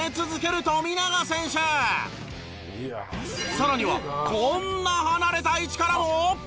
更にはこんな離れた位置からも！